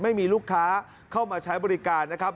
ไม่มีลูกค้าเข้ามาใช้บริการนะครับ